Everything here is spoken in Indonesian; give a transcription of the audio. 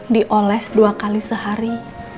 dioles dua kali sehari